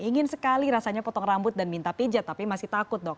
ingin sekali rasanya potong rambut dan minta pijat tapi masih takut dok